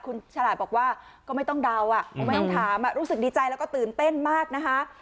คุณฉลาดบอกว่าก็ไม่ต้องเดาอ่ะคงไม่ต้องถามรู้สึกดีใจแล้วก็ตื่นเต้นมากนะคะ